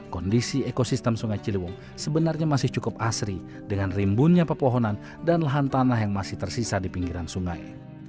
kondisi ekosistem sungai ciliwung sebenarnya masih cukup asri dengan rimbunnya pepohonan dan lahan tanah yang masih tersisa di pinggiran sungai